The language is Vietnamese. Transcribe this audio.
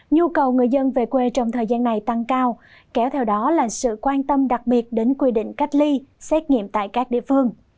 nhu cầu người dân về quê trong thời gian này tăng cao kéo theo đó là sự quan tâm đặc biệt đến quy định cách ly xét nghiệm tại các địa phương